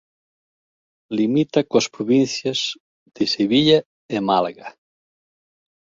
Limita coas provincias de Sevilla e Málaga.